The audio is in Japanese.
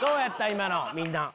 今のみんな。